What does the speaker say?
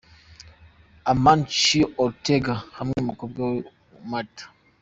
Amancio Ortega hamwe n' umukobwa we Marta.